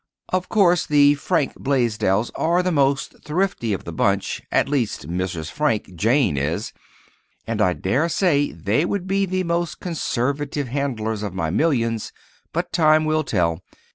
Of course, the Frank Blaisdells are the most thrifty of the bunch—at least, Mrs. Frank, "Jane," is—and I dare say they would be the most conservative handlers of my millions. But time will tell.